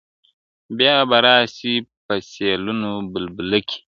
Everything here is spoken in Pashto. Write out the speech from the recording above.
بیا به راسي په سېلونو بلبلکي-